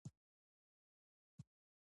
دا حتمي نه ده چې طلايي دوره ټولو ته طلايي وي.